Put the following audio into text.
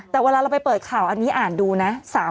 แต่เวลาเราไปเปิดข่าวอันนี้อ่านดูนะ